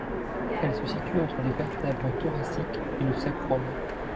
Elles se situent entre les vertèbres thoraciques et le sacrum.